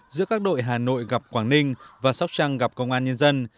giữa các đội hà nội gặp quảng ninh và sóc trăng gặp công an nhân dân